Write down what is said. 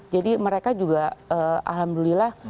jadi mereka juga alhamdulillah